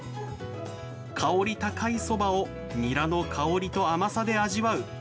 香り高いそばをニラの香りと甘さで味わう